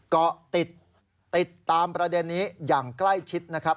ก็ติดตามประเด็นนี้อย่างใกล้ชิดนะครับ